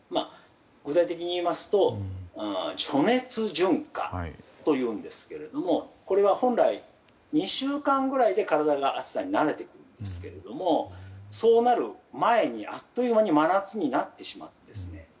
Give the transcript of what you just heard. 具体的に言いますと暑熱順化というんですけどこれは本来、２週間ぐらいで体が暑さに慣れてくるんですけれどもそうなる前に、あっという間に真夏になってしまうんです。